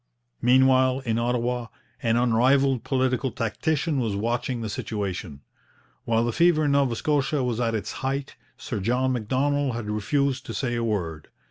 Meanwhile, in Ottawa, an unrivalled political tactician was watching the situation. While the fever in Nova Scotia was at its height, Sir John Macdonald had refused to say a word.